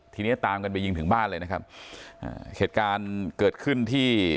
เนี้ยตามกันไปยิงถึงบ้านเลยนะครับอ่าเหตุการณ์เกิดขึ้นที่